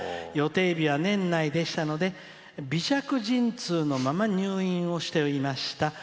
予定日は年内でしたので微弱陣痛のまま入院をしておりました。